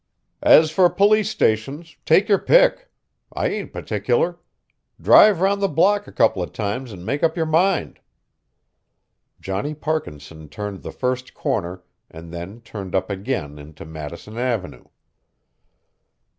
"As for police stations, take your pick. I ain't particular. Drive round the block a couple o' times an' make up your mind." Johnny Parkinson turned the first corner and then turned again into Madison avenue.